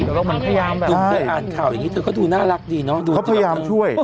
ดูได้อ่านข่าวอย่างงี้ที่เขาดูน่ารักดีเนอะเขาพยายามช่วย